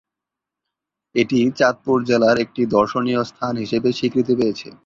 এটি চাঁদপুর জেলার একটি দর্শনীয় স্থান হিসেবে স্বীকৃতি পেয়েছে।